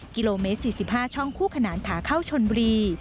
กิโลเมตร๔๕ช่องคู่ขนานขาเข้าชนบุรี